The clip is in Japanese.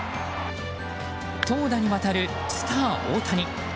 投打にわたるスター大谷。